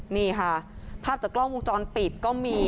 นี่ค่ะภาพจากกล้องวงจรปิดก็มี